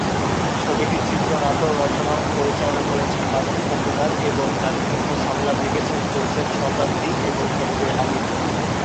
ছবিটির চিত্রনাট্য রচনা ও পরিচালনা করেছেন বাদল খন্দকার এবং কাহিনী ও সংলাপ লিখেছেন জোসেফ শতাব্দী এবং হেনরি আমিন।